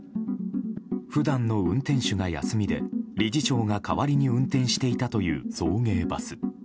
普段の運転手が休みで理事長が代わりに運転していたという送迎バス。